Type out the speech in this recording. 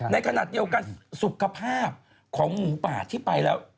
ในขณะเดียวกันสุขภาพของหมูป่าที่ไปแล้ว